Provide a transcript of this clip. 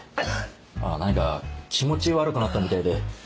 あぁ何か気持ち悪くなったみたいで。